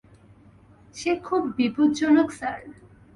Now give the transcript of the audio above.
সে খুব বিপদজনক স্যার।